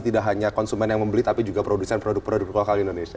tidak hanya konsumen yang membeli tapi juga produsen produk produk lokal indonesia